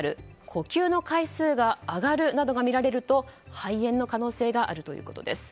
呼吸の回数が上がるなどが見られると肺炎の可能性があるということです。